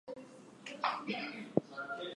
The Archbishop swears alliance to Estonia.